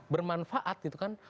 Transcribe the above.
bermanfaat gitu kan